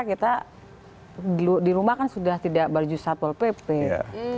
kita di rumah kan sudah tidak baju satpo pepeng